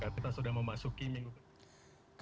kita sudah memasuki minggu ke dua